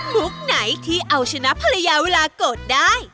มุกไหนที่เอาชนะภรรยาเวลาโกรธได้